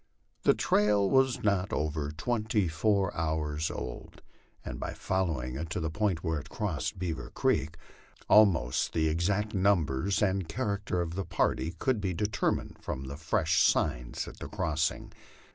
The trail was not over twenty four hours old, and by following it to the point where it crossed Beaver creek, almost the exact numbers and character of the party could be determined from the fresh signs at the crossing.